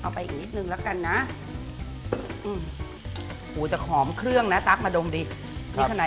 เข้าไปอีกนิดหนึ่งละกันนะอิ้วจะขอมเครื่องนะตล๊าคมาดมดินี่ขนาด